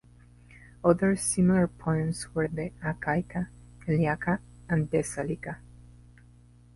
Other similar poems were the "Achaica", "Eliaca", and "Thessalica".